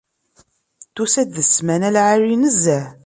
Tusa-d d ssmana n lεali nezzeh.